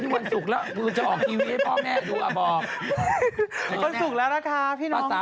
หมดไจ้ตุ้มเซียอกล่ะ